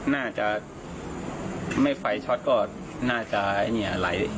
น่าจะไม่ไฟช็อตก็น่าจะไหล